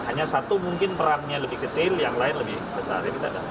hanya satu mungkin perangnya lebih kecil yang lain lebih besar